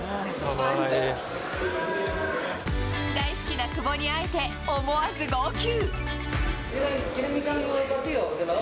大好きな久保に会えて、思わず号泣。